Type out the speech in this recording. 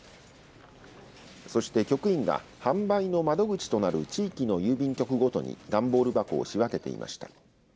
そして局員が、販売の窓口となる地域の郵便局ごとに段ボール箱を仕分けていました。